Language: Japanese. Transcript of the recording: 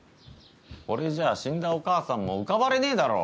これじゃあ死んだお母さんも浮かばれねえだろ。